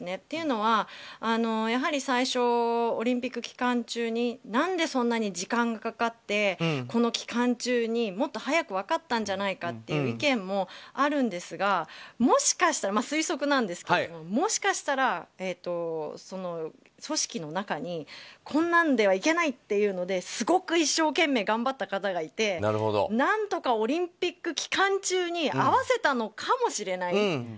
というのは、やはり最初オリンピック期間中に何でそんなに時間がかかってこの期間中に、もっと早く分かったんじゃないかという意見もあるんですが推測なんですけど、もしかしたら組織の中に、こんなんではいけないっていうのですごく一生懸命頑張った方がいて何とかオリンピック期間中に合わせたのかもしれない。